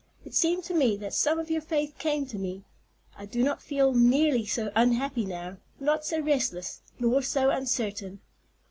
It seemed to me that some of your faith came to me. I do not feel nearly so unhappy now; not so restless, nor so uncertain."